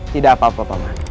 tidak apa apa paman